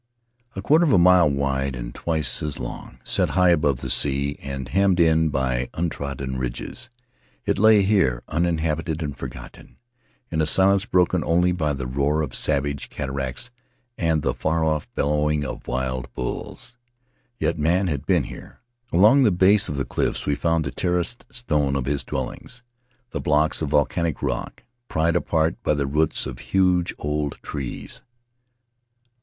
A quarter of a mile wide and twice as long, set high above the sea, and hemmed in by untrodden ridges, it lay here uninhabited and forgotten, in a silence broken only by the roar of savage cataracts and the far off bellowing of wild bulls. Yet man had been here. Along the base of the cliffs we found the terraced stone of his dwellings, the blocks of volcanic rock pried apart by the roots of huge old trees.